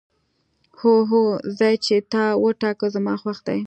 هو، هر ځای چې تا وټاکه زما خوښ دی.